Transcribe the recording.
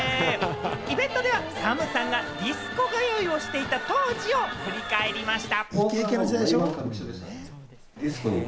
イベントではＳＡＭさんがディスコ通いをしていた当時を振り返りました。